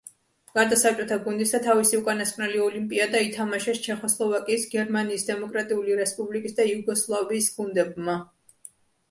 გარდა საბჭოთა გუნდისა, თავისი უკანასკნელი ოლიმპიადა ითამაშეს ჩეხოსლოვაკიის, გერმანიის დემოკრატიული რესპუბლიკის და იუგოსლავიის გუნდებმა.